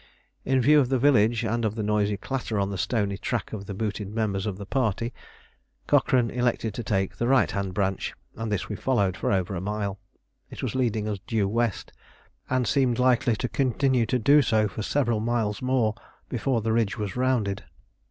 In view of the village and of the noisy clatter on the stony track of the booted members of the party, Cochrane elected to take the right hand branch, and this we followed for over a mile. It was leading us due west, and seemed likely to continue to do so for several miles more before the ridge was rounded.